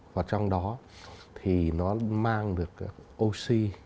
vào trong đó thì nó mang được oxy